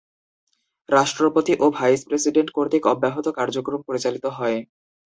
রাষ্ট্রপতি ও ভাইস-প্রেসিডেন্ট কর্তৃক অব্যাহত কার্যক্রম পরিচালিত হয়।